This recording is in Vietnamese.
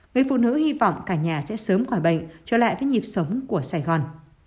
người phụ nữ hy vọng cả nhà sẽ sớm khỏi bệnh trở lại với nhịp sống của sài gòn